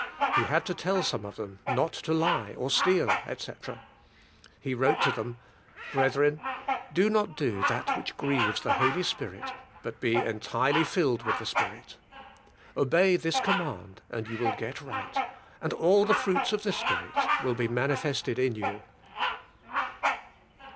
He had to tell some of them not to lie, or steal, etc. He wrote to them. Brethren, do not do that which grieves the Holy Spirit, but be entirely filled with the Spirit. Obey this command and you will get right, and all the fruits of the Spirit will be mani fested in you.